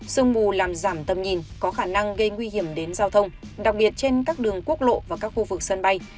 sương mù làm giảm tâm nhìn có khả năng gây nguy hiểm đến giao thông đặc biệt trên các đường quốc lộ và các khu vực sân bay